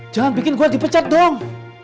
jangan bikin gua dipecat dong